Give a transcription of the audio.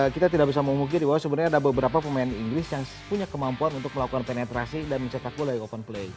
kita tidak bisa memungkiri bahwa sebenarnya ada beberapa pemain inggris yang punya kemampuan untuk melakukan penetrasi dan mencetak gol dari open play